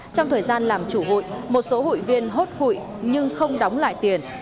trong thời gian làm chủ hụi một số hụi viên hốt hụi nhưng không đóng lại tiền